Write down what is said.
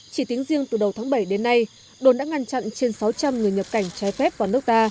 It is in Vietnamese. chỉ tiếng riêng từ đầu tháng bảy đến nay đồn đã ngăn chặn trên sáu trăm linh người nhập cảnh trái phép vào nước ta